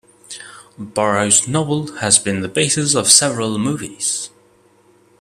Burroughs' novel has been the basis of several movies.